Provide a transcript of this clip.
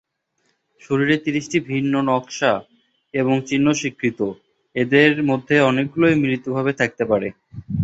শরীরে ত্রিশটি ভিন্ন নকশা এবং চিহ্ন স্বীকৃত, এদের মধ্যে অনেকগুলোই মিলিত ভাবে থাকতে পারে।